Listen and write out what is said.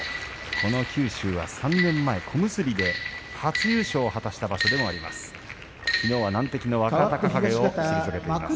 この九州は３年前、小結で初優勝を果たした場所でもあります。